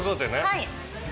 はい。